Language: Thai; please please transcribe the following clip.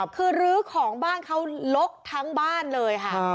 คือลื้อของบ้านเขาลกทั้งบ้านเลยค่ะ